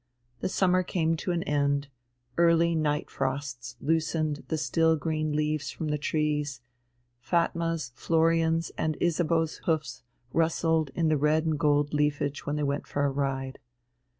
The summer came to an end, early night frosts loosened the still green leaves from the trees, Fatma's, Florian's, and Isabeau's hoofs rustled in the red and gold leafage when they went for a ride.